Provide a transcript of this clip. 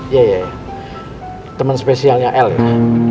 iya temen spesialnya el ya